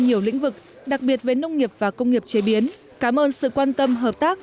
nhiều lĩnh vực đặc biệt về nông nghiệp và công nghiệp chế biến cảm ơn sự quan tâm hợp tác